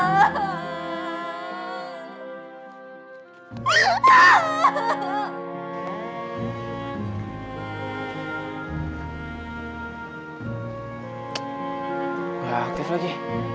gak aktif lagi